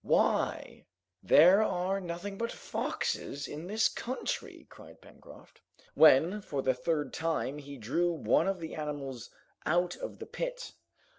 "Why, there are nothing but foxes in this country!" cried Pencroft, when for the third time he drew one of the animals out of the pit.